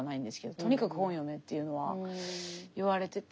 とにかく本読めというのは言われてて。